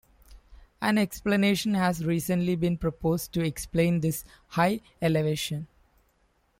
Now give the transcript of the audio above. An explanation has recently been proposed to explain this high elevation.